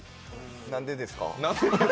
何でですか？